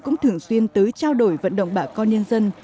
cũng thường xuyên tới trao đổi vận động bà con nhân dân